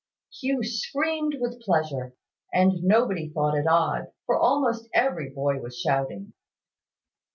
Hugh screamed with pleasure; and nobody thought it odd, for almost every boy was shouting.